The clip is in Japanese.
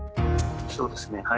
そうですね